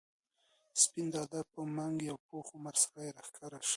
د سپين دادا په منګ یو پوخ عمر سړی راښکاره شو.